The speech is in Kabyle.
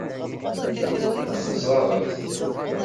Yeẓẓar-it.